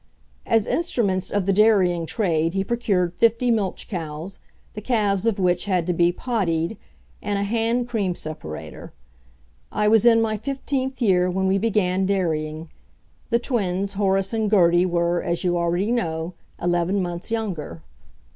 As instruments of the dairying trade he procured fifty milch cows, the calves of which had to be "poddied", and a hand cream separator. I was in my fifteenth year when we began dairying; the twins Horace and Gertie were, as you already know, eleven months younger.